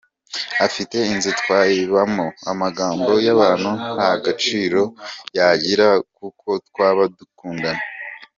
Afite inzu twayibamo, amagambo y’abantu nta gaciro yagira kuko twaba dukundana.